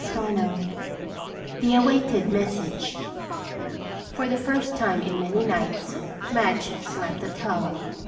CHAPTER XII The Awaited Message For the first time in many nights Madge slept at home.